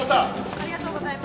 ・ありがとうございます。